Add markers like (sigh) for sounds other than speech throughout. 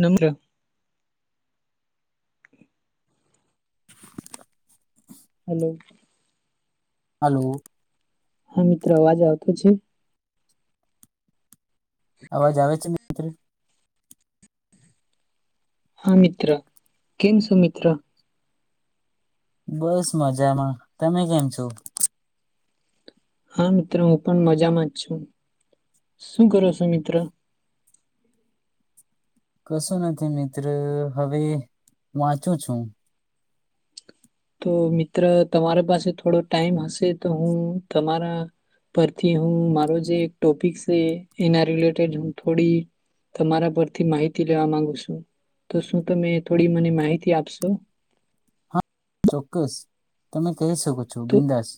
નમ કે hello, hello હા મિત્ર અવાજ આવતો છે? આવાજ આવે છે મિત્ર હા મિત્ર કેમ સુું મિત્ર બસ મજામાં. તમે કેમ છો? હા મિત્ર હું પણ મજામાં છું. શું કરો છો મિત્ર? કશું નથી મિત્ર હવે વાંચું છું. તો મિત્ર તમારા પાસે થોડો ટાઈમ હશે તો હું તમારા પરથી હું મારો જે ટોપિક છે એના રિલેટેડ હું થોડી તમારા પરથી માહિતી લેવા માંગુ છું. તો શું તમે થોડી મને માહિતી આપશો? હા ચોક્કસ. તમે કઈ શકો છો. તો બિંદાસ.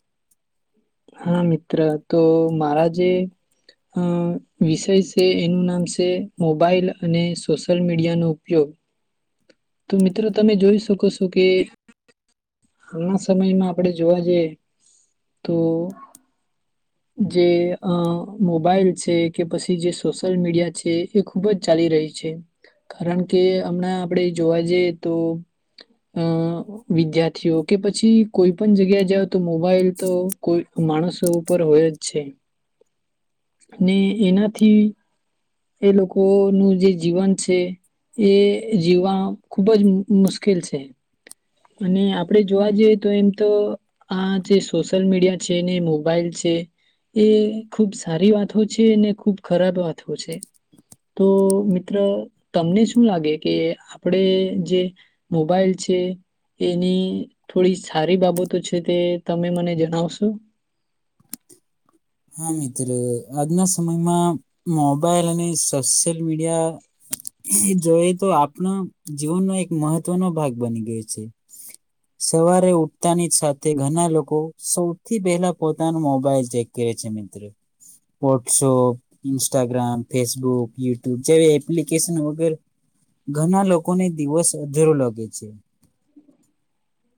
હા મિત્ર તો મારા જે અ વિષય છે એનું નામ છે મોબાઈલ અને સોશિયલ મીડિયાનો ઉપયોગ. તો મિત્રો તમે જોઈ શકો છો કે હાલના સમયમાં આપણેે જોવા જઈએ તો જે અ મોબાઈલ છે કે પછી જે સોશિયલ મીડિયા છે. એ ખુબ જ ચાલી રહી છે કારણ કે હમણાં આપણે જોવા જઈએ તો અ વિદ્યાર્થીઓ કે પછી કોઈ પણ જગ્યા જાઓ તો મોબાઈલ તો કોઈ માણસો પર હોય જ છે. ને એનાથી એ લોકોનું જે જીવન છે એ જીવવા ખુબ જ મુશ્કેલ છે. અને આપડે જોવા જઈએ, તો એમ તો આ જે સોશિયલ મીડિયા છે ને મોબાઈલ છે એ ખુબ સારી વાતો છે, ખુબ ખરાબ વાતો છે. તો મિત્ર તમને શું લાગે કે આપણે જે મોબાઈલ છે એની થોડી સારી બાબતો છે તે તમે મને જણાવશો? હા મિત્ર આજના સમયમાં મોબાઈલ અને સોશિયલ મીડિયા જોઈ તો આપણા જીવનનો એક મહત્વનો ભાગ બની ગયો છે. સવારે ઉઠતાની સાથે ઘણા લોકો સૌથી પહેલા પોતાનો મોબાઈલ ચેક કરે છેને મિત્ર. વોટસપ, ઇન્સ્ટાગ્રામ, ફેસબુક, યુટ્યુબ જેવી એપ્લિકેશન વગર ઘણા લોકોને દિવસ અધરો લાગે છે.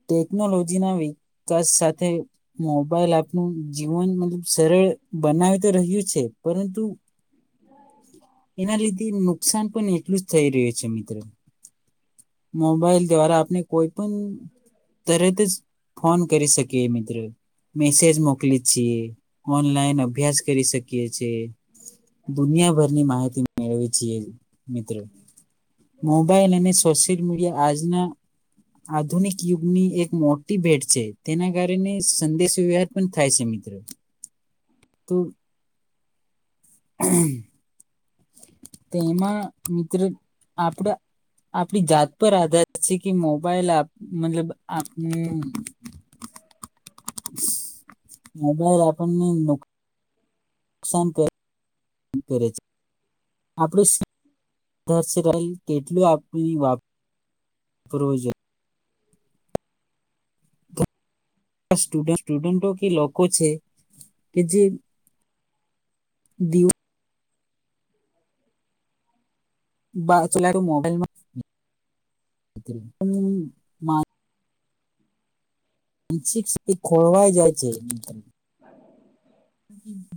ટેકનોલોજી ના વિકાસ સાથે મોબાઈલ આપણું જીવન મત સરળ બનાવી તો રહ્યું છે પરંતુ એના લીધે નુકસાન પણ એટલું જ થઈ રહ્યું છે. મિત્ર મોબાઈલ દ્વારા આપણે કોઈ પણ તરત જ ફોન કરી શકીએ, મિત્ર મેસેજ મોકલી શકીયે. ઓનલાઈન અભ્યાસ કરી શકીએ છીએ. દુનિયાભરની માહિતી મેળવી છીએ મિત્રો મોબાઈલ અને શોષિયલ મીડિયા આજના આધુનિક યુગની એક મોટી ભેટ છે તેના કારણે સંદેશ વ્યવહાર પણ થાય છે મિત્રો. તો. હમ. તેમાં મિત્ર આપણા આપડી જાત પર આધાર છે કે મોબાઈલ મતલબ આપ (inaudible) મોબાઈલ આપણને (unintelligible) એ કરે છે. આપણી સ તેટલું આપ વા પૂર્વજન સ્ટુડન્ટો કે લોકો છે કે જે દ (unintelligible) મોબાઈલમાં. (inaudible) ખોરવાય જાય છે. (inaudible)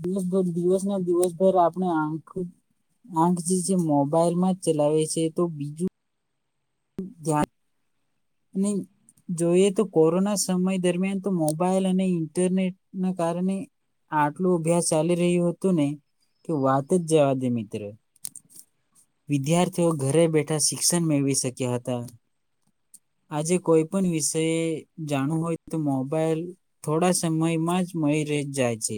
દિવસભર દિવસ ના દિવસભર આપણે આખું આખ જે જે મોબ મોબાઈલમાં જ ચલાવે છે તો બીજું. ધ્યાન. અને જોઈએ તો કોરોના સમય દરમિયાન તો મોબાઈલ અને ઇન્ટરનેટના કારણે આટલું અભ્યાસ ચાલી રહ્યું હતું ને કે વાત જ જવા દે મિત્ર. વિદ્યાર્થીઓ ઘરે બેઠા શિક્ષણ મેળવી શક્યા હતા. આજે કોઈ પણ વિષય જાણવું હોય તો મોબાઈલ થોડા સમયમાં જ મળી ર જાય છે.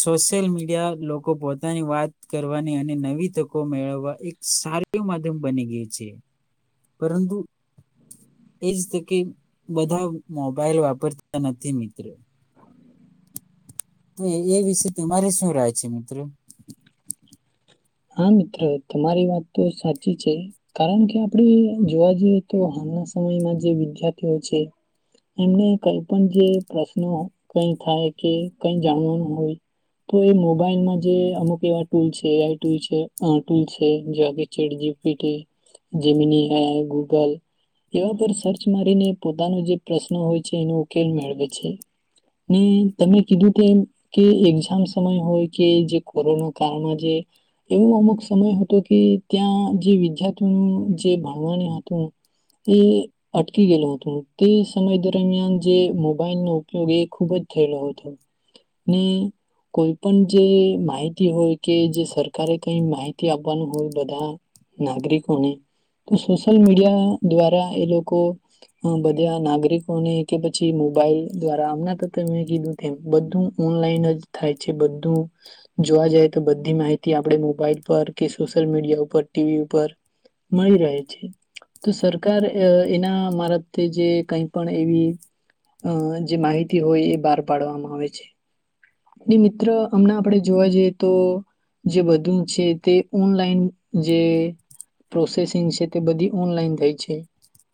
સોશિયલ મીડિયા લોકો પોતાની વાત કરવાની અને નવી તકો મેળવવા એક સારું માધ્યમ બની ગય છે. પરંતુ એજ તકે બધા મોબાઈલ વાપરતા નથી મિત્ર. તો એ વિશે તમારે શું રાય છે મિત્ર? હા, મિત્ર તમારી વાત તો સાચી છે, કારણકે આપણે જોવા જઈએ, તો હાલના સમયમાં જે વિદ્યાર્થીઓ છે, એમને કઈ પણ જે પ્રશ્નો કઈ થાય કે કઈ જાણવાનું હોય, તો એ મોબાઈલમાં જે અમુક એવા ટૂલ છે, એઈ (unintelligible) ટૂલ છે જેવા કે chat G P T, Gemini Google એવા પર સર્ચ મારીને પોતાનો જે પ્રશ્ન હોય છે એનો ઉકેલ મેળવે છે, ને તમે કીધું કે એ કે એક્ઝામ સમય હોય કે જે કોરોના કાળમાં જે એવો અમુક સમય હતો કે ત્યાં જે વિદ્યાર્થીઓનું જે ભણવાણી હતું એ અટકી ગયેલું હતું, તે સમય દરમિયાન જે મોબાઈલનો ઉપયોગ એ ખૂબજ થયેલો હતો, ને કોઈ પણ જે માહિતી હોય કે જે સરકારે કઈ માહિતી આપવાનું હોય બધા નાગરિકોને તો સોશિયલ મીડિયા દ્વારા એ લોકો બધા નાગરિકોને કે પછી મોબાઈલ દ્વારા આમના ત મે કીધું તેમ બધું ઓનલાઈન જ થાય છે બધું, જોવા જાય તો બધી માહિતી થી આપડે મોબાઈલ પર, કે સોશિયલ મીડિયા ઉપર, ટીવી ઉપર મળી રહે છે, તો સરકાર એના મારફતે જે કઈ પણ એવી જે માહિતી હોય એ બહાર પાડવામાં આવે છે, ને મિત્ર અમણા આપણે જોવા જઈએ તો જે બધું છે તે ઓનલાઈન જે પ્રોસેસિંગ છે તે બધી ઓનલાઈન થઈ છે,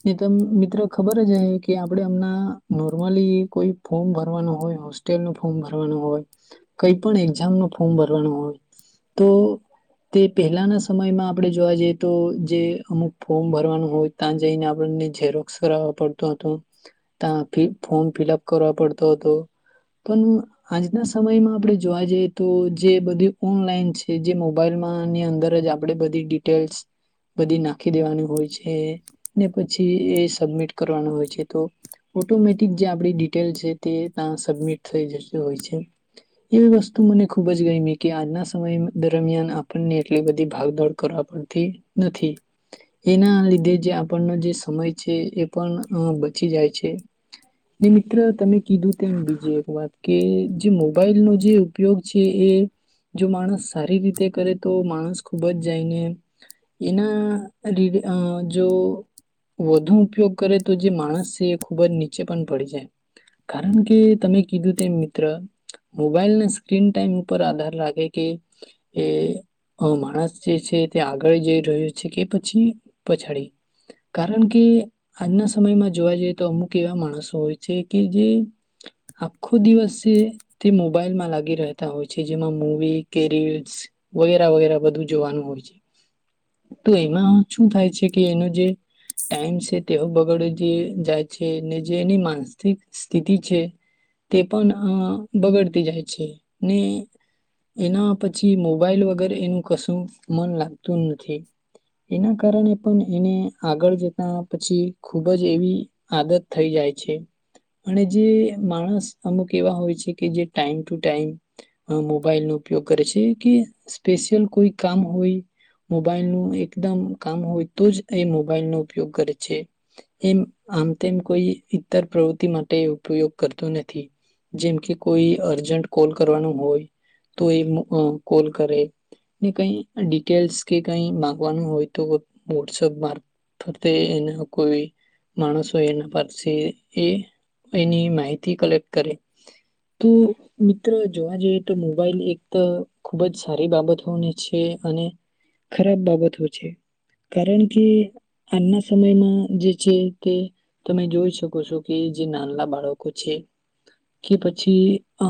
ને તમ મિત્ર ખબરજ અહે કે આપણે હમણા નોર્મલી કોઈ ફોર્મ ભરવાનું હોય, હોસ્ટેલ ન ફોર્મ ભરવાનું હોય, કઈ પણ એામ ન ફોર્મ ભરવાનું હોય તો તે પહેલાના સમયમાં આપણે જોવા જઈએ તો જે અમુક ફોર્મ ભરવાનું હોય ત્યાં જઈને આપણને ઝેરોક્સ કરાવ પડતો હતો, ત્યાં ફોર્મ ફિલઅપ કરવા પડતો હતો, પણ આજના સમયમાં આપણે જોવા જઈએ તો જે બધું ઓનલાઈન છે જે મોબાઈલમાંની અંદરજ આપડે બધી ડિટેલ્સ બધી નાખી દેવાની હોય છે, ને પછી એ સબમિટ કરવાનું હોય છે તો ઓટોમેટિક જે આપડી ડિટેલ છે તે ત સબમિટ થઈ જતી હોય છે, એ વસ્તુ મને ખુબજ ગયિમી. કે આજના સમય દરમિયાન આપણને એટલી બધી ભાગદોડ કરવા પડતી નથી. એના લીધે જે આપણનો જે સમય છે એ પણ બચી જાય છે, ને મિત્ર તમે કીધું તેમ બીજી એક વાત કે જે મોબાઈલનો જે ઉપયોગ છે એ જો માણસ સારી રીતે કરે તો માણસ ખૂબજ જાયને એના ર જો વધુ ઉપયોગ કરે. તો જે માણસ છે એ ખુબજ ની ચે પણ પડી જાય, કારણકે તમે કીધું તેમ મિત્ર મોબાઈલ સ્ક્રીન ટાઈમ ઉપર આધાર રાખે કે એ માણસ જે છે તે આગળ જઈ રહ્યો છે કે પછી પછાડી, કારણકે આજના સમયમાં જોવા જઈએ તો અમુક એવા માણસો હોય છે કે જે આખો દિવસ છે તે મોબાઈલ માં લાગી રહેતા હોય છે. જેમાં મવી, કેરીલ્સ વગેરે વગેરે બધું જોવાનું હોય છે, તો એમાં શું થાય છે કે એનો જે ટાઈમ છે તેઓ બગડ જાય છે, ને જે એની માનસિક સ્થિતિ છે તે પણ બગડતી જાય છે ને એના પછી મોબાઈલ વગર એનું કશું મન લાગતું નથી. એના કારણે પણ એને આગળ જતા પછી ખુબ જ એવી આદત થઈ જાય છે અને જે માણસ અમુક એવા હોય છે કે જે ટાઈમ ટુ ટાઈમ મોબાઈલનો ઉપયોગ કરે છે કે સ્પેશિયલ કોઈ કામ હોય મોબાઈલનું એકદમ કામ હોય તોજ એ મોબાઈલનો ઉપયોગ કરે છે, એમ આમ તેમ કોઈ ઈતર પ્રવૃત્તિ માટે ઉપયોગ કરતું નથી, જેમ કે કોઈ અર્જન્ટ કોલ કરવાનું હોય તો એ એમનું અ કોલ કરે કઈ ડિટેલ્સ કે કઈ માંગવાનું હોય તો વોટસપ મારફતે એના કોઈ માણસ હોય એના પાસે એ એની માહિતી કલેક્ટ કરે તો મિત્ર જોવા જઈ તો મોબાઈલ એક તો ખુબ જ સારી બાબતોને છે અને ખરાબ બાબતો છે કારણ કે આજના સમયમાં જે છે તે તમે જોઈ શકો છો કે જે નાનલા બાળકો છે કે પછી અ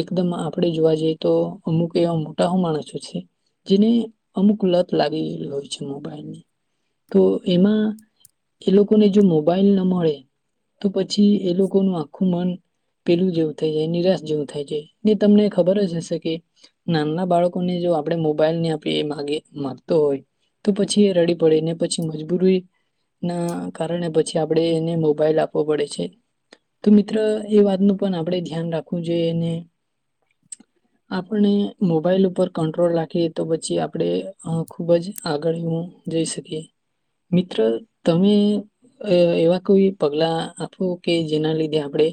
એકદમ આપ આપણે જોવા જઈએ તો અમુક એવા મોટાઓ હો માણસો છે જેને અમુક લત લાગીલી હોય છે મોબાઈલની તો એમાં એ લોકોને જો મોબાઈલ ના મળે તો પછી પછી એ લોકોનુ આખું મન પેલું જેવું થઈ જાય નિરાશ જેવું થાય જાય ને તમને ખબર જ હશે કે નાના બાળકોને જો આપણે મોબાઈલ ની આપીએ એ માંગે માંગતો હોય તો પછી એ રડી પડેને પછી મજબૂરીના કારણે પછી આપણે એને મોબાઈલ આપવો પડે છે. તો મિત્ર એ વાતનું પણ આપણે ધ્યાન રાખવું જોઈએ ને આપણે મોબાઈલ ઉપર કંટ્રોલ રાખીએ તો પછી આપણે અ ખુબ જ આગળનુ જઈ શકીએ. મિત્ર તમે એવા કોઈ પગલા આપો કે જેના લીધે આપણે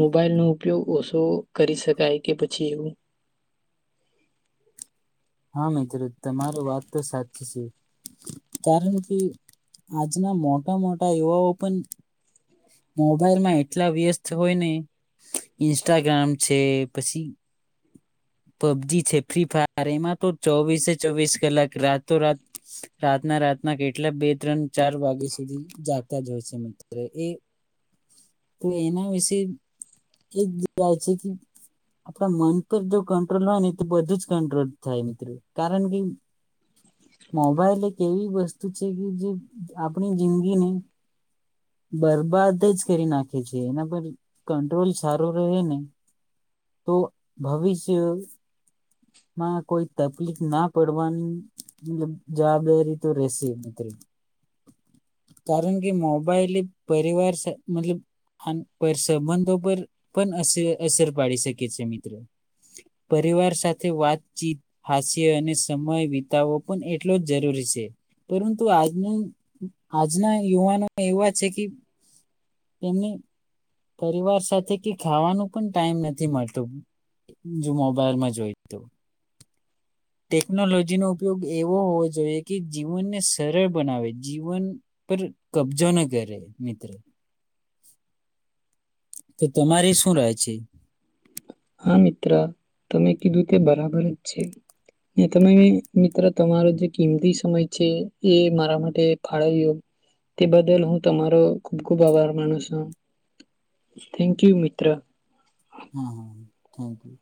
મોબાઈલનો ઉપયોગ ઓછો કરી શકાય. કે પછી એવું. હા મિત્ર તમારી વાત તો સાચી છે. કારણ કે આજના મોટા મોટા યુવાઓ પણ મોબાઈલમાં એટલા વ્યસ્ત હોય ને ઇન્સ્ટાગ્રામ છે પસી પબજી છે ફ્રી ફાયર એમાં તો ચોવીસે ચોવીસ કલાક રાતો રાત રાતના રાતના કેટલા બે ત્રણ ચાર વાગ્યા સુધી જાગતા જ હોય છે મિત એ તો એના વિશે કેવાય છે કે આપણા મન પર જો કંટ્રોલ હોય ને તો બધું જ કંટ્રોલ થાય મિત્ર કારણ કે મોબાઈલ એક એવી વસ્તુ છે કે જે આપણી જિંદગીની બરબાદ જ કરી નાખે છે એના પર કંટ્રોલ સારો રહે ને તો ભવિષ્યમાં કોઈ તપલીફ ના પડવાની મતલબ જવાબદારી તો રહેશે મિત્ર. કારણ કે મોબાઈલે પરિવાર સાત મતલબ સંબંધો પર પણ અસર અસર પાડી શકે છે મિત્ર પરિવાર સાથે વાતચીત હાસ્ય અને સમય વિતાવો પણ એટલો જ જરૂરી છે પરંતુ આજનું આજના યુવાનો એવા છે કે તેમને પરિવાર સાથે કે ખાવાનું પણ ટાઈમ નથી મળતું જો મોબાઈલમાં જોય તો. ટેકનોલોજીનો ઉપયોગ એવો હોવો જોઈએ કે જીવનને સરળ બનાવે જીવન પર કબજો ન કરે મિત્ર. તો તમારી શું રાય છે? હા મિત્ર તમે કીધું તે બરાબર જ છે ને તમે મિત્ર તમારો જે કિંમતી સમય છે એ મારા માટે ફાળવ્યો તે બદલ હું તમારો ખૂબ-ખૂબ આભાર માનું છુ. થેન્ક યુ મિત્ર. Hmm thank you.